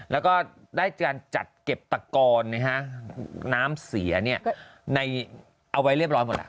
แล้วก็ได้การจัดเก็บตะกอนน้ำเสียเอาไว้เรียบร้อยหมดแล้ว